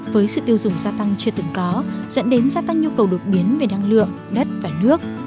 với sự tiêu dùng gia tăng chưa từng có dẫn đến gia tăng nhu cầu đột biến về năng lượng đất và nước